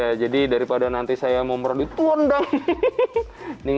beda jadi daripada nanti saya memerah dituon bang